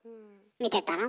見てたの？